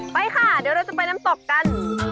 ไปค่ะเดี๋ยวเราจะไปน้ำตกกัน